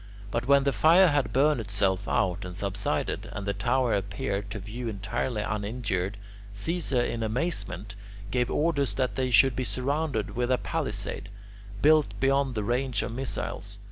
But when the fire had burned itself out and subsided, and the tower appeared to view entirely uninjured, Caesar in amazement gave orders that they should be surrounded with a palisade, built beyond the range of missiles.